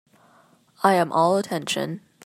I am all attention.